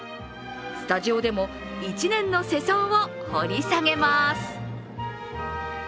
スタジオでも１年の世相を掘り下げます。